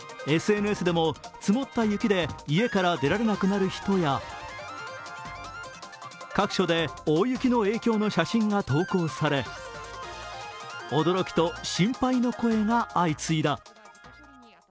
ＳＮＳでも積もった雪で家から出られなくなる人や各所で大雪の影響の写真が投稿され驚きと心配の声が相次いだ。